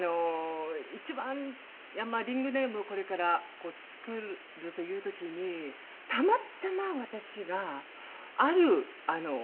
一番リングネームをこれから作るという時にたまたま私があるセーターをですね。